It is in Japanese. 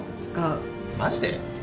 マジで！？